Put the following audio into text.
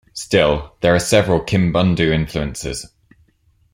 Still, there are several Kimbundu influences.